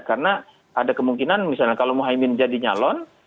karena ada kemungkinan misalnya kalau muhaymin jadi nyalon